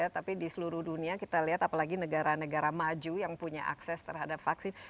tapi di seluruh dunia kita lihat apalagi negara negara maju yang punya akses terhadap vaksin